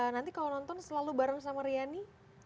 nanti kalau nonton selalu bareng sama riani